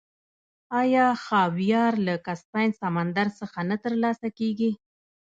آیا خاویار له کسپین سمندر څخه نه ترلاسه کیږي؟